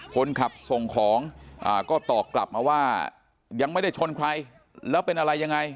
คนขับส่งของก็ตอบกลับมาว่ายังไม่ได้ชนใครแล้วเป็นอะไรยังไง